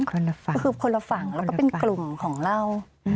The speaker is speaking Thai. โลกพาคมเป็นกลุ่มของเรา